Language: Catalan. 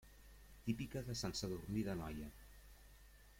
Típica de Sant Sadurní d'Anoia.